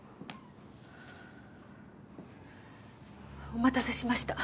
お待たせしました。